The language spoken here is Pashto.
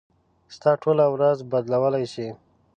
ستا ټوله ورځ بدلولی شي.